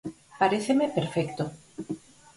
Paréceme perfecto.